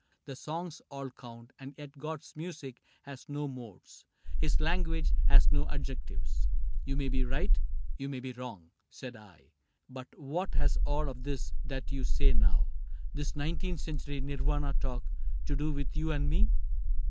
The songs all count ; and yet God's music has No modes, his language has no adjectives." You may be right, you may be wrong, said I ;^^ But what has all of this that you say now — This nineteenth century Nirvana talk — To do with you and me